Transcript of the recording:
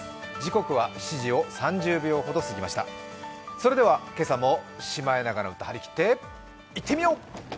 それでは今朝も「シマエナガの歌」張り切って、いってみよう！